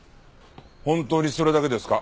本当にそれだけですか？